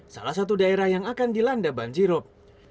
salah satu daerah yang akan dilanda banjirop